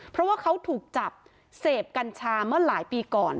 เพราะว่าเขาถูกจับเสพกัญชาเมื่อหลายปีก่อน